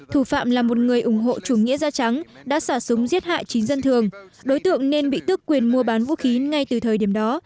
thủ phạm là một người ủng hộ chủ nghĩa da trắng đã xả súng giết hại chín dân thường đối tượng nên bị tước quyền mua bán vũ khí ngay từ thời điểm đó